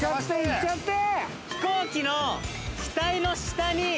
いっちゃって！